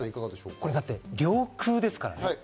これ、領空ですからね。